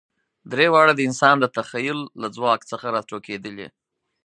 درې واړه د انسان د تخیل له ځواک څخه راټوکېدلي.